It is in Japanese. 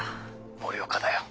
森岡だよ。